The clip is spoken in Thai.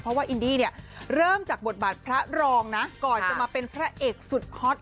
เพราะว่าอินดี้เนี่ยเริ่มจากบทบาทพระรองนะก่อนจะมาเป็นพระเอกสุดฮอต